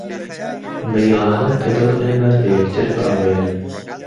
مهیڵانه که دڵ ئێمه له یهکتر بڕهوێنن